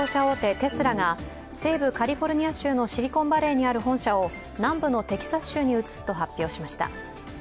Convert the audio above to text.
テスラが西部カリフォルニア州のシリコンバレーにある本社を南部のテキサス州に移すと発表しました。